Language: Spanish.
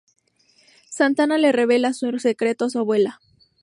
Santana le revela su secreto a su abuela.